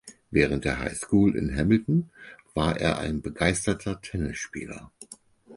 Während der High School in Hamilton war er ein begeisterter Tennisspieler.